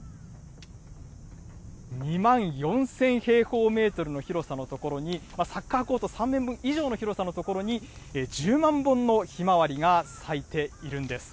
２万４０００平方メートルの広さの所に、サッカーコート３面分以上の広さの所に、１０万本のひまわりが咲いているんです。